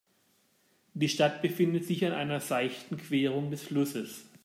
Die Stadt befindet sich an einer seichten Querung des Flusses.